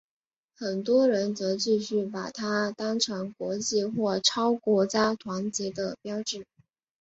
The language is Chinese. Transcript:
很多人则继续把它当成国际或超国家团结的标志。